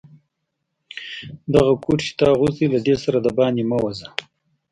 دغه کوټ چي تا اغوستی، له دې سره دباندي مه وزه.